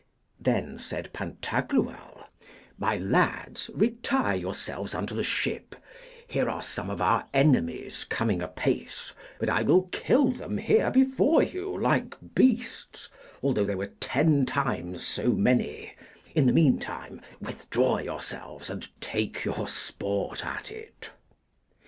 Then said Pantagruel, My lads, retire yourselves unto the ship; here are some of our enemies coming apace, but I will kill them here before you like beasts, although they were ten times so many; in the meantime, withdraw yourselves, and take your sport at it.